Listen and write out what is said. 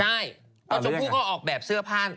เพราะชมพู่ก็ออกแบบเสื้อผ้า